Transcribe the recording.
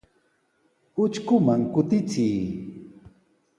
Utrkuman kutichiy.